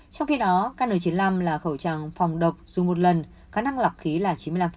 trong khi đó kn chín mươi năm là khẩu trang phòng độc dùng một lần khả năng lọc khí là chín mươi năm